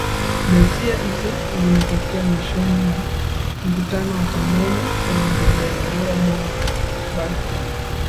ghasia hizo zimetokea mwishoni mwa mkutano wa kampeni wa mgombea laura bagbo